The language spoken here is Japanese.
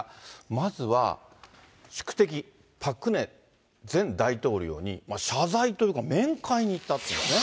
まずは宿敵、パク・クネ前大統領に謝罪というか、面会に行ったというんですね。